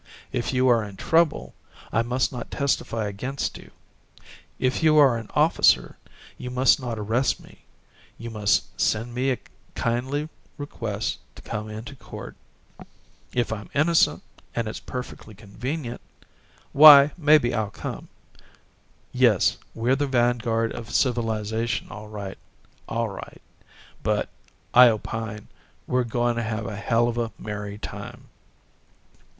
If you are in trouble, I must not testify against you. If you are an officer, you must not arrest me; you must send me a kindly request to come into court. If I'm innocent and it's perfectly convenient why, maybe I'll come. Yes, we're the vanguard of civilization, all right, all right but I opine we're goin' to have a hell of a merry time."